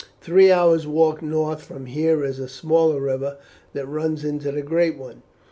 Three hours' walk north from here is a smaller river that runs into the great one.